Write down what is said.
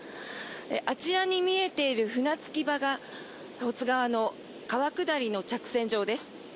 あちらに見えている船着き場が保津川の川下りの着船場です。